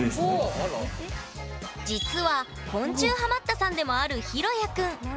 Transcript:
実は昆虫ハマったさんでもあるひろやくんへ。